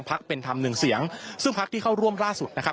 เป็นธรรมหนึ่งเสียงซึ่งพักที่เข้าร่วมล่าสุดนะครับ